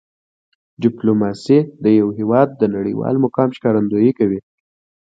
ډیپلوماسي د یو هېواد د نړیوال مقام ښکارندویي کوي.